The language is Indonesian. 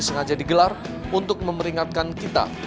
sengaja digelar untuk memeringatkan kita